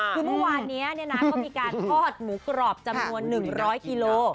คือเมื่อวานนี้เนี่ยนะคะก็มีการทอดหมูกรอบจำนวนนึงร้อยกิโล